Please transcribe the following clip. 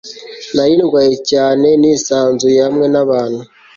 Nari ndwaye cyane nisanzuye hamwe nabantu